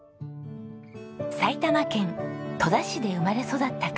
埼玉県戸田市で生まれ育った香さん。